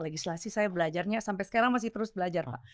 legislasi saya belajarnya sampai sekarang masih terus belajar pak